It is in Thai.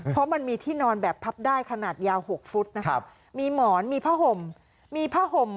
เพราะมันมีที่นอนแบบพับได้ขนาดยาว๖ฟุตนะครับมีหมอนมีผ้าห่มมีผ้าห่ม